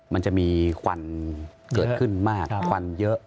มันจะมีควันเกิดขึ้นมากควันเยอะ